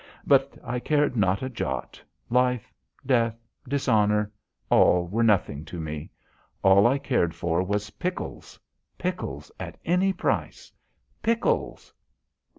But I cared not a jot. Life, death, dishonour all were nothing to me. All I cared for was pickles. Pickles at any price! _Pickles!!